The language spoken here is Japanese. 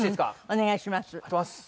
お願いします。